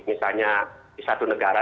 misalnya di satu negara